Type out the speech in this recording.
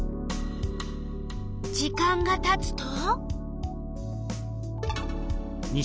時間がたつと？